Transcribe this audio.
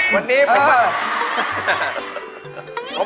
วันนี้มันมัน